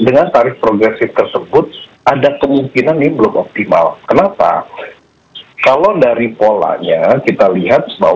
nah tapi kalau kita lihat